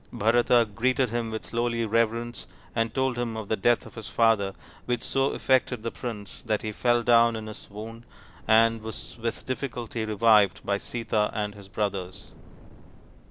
Bharata greeted him with lowly reverence and told him of the death of his father, which so affected the prince that he fell down in a swoon and was with difficulty revived by Sita and his brothers.